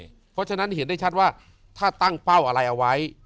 เพราะฉะนั้นเห็นได้ชัดว่าถ้าตั้งเป้าอะไรเอาไว้